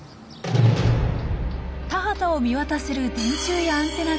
田畑を見渡せる電柱やアンテナがあるんです。